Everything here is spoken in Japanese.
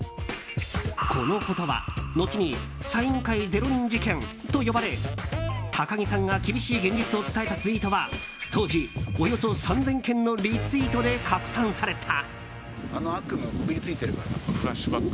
このことはのちにサイン会０人事件と呼ばれ高木さんが厳しい現実を伝えたツイートは当時、およそ３０００件のリツイートで拡散された。